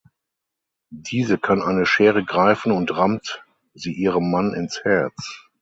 Diese kann eine Schere greifen und rammt sie ihrem Mann ins Herz.